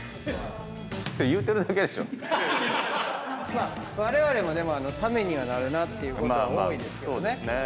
まあわれわれもためにはなるなっていうことは多いですけどね。